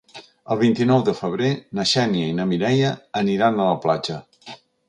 El vint-i-nou de febrer na Xènia i na Mireia aniran a la platja.